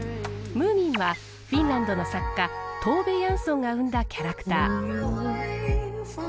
ムーミンはフィンランドの作家トーベ・ヤンソンが生んだキャラクター。